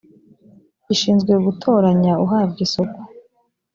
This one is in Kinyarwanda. ishinzwe gutoranya uhabwa isoko